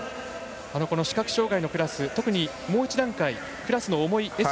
視覚障がいのクラス特にもう一段階クラスの重いＳ